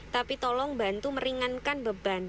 tapi tolong bantu meringankan beban